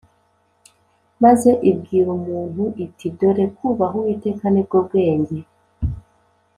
Maze Ibwira umuntu iti:” Dore kubaha Uwiteka nibwo bwenge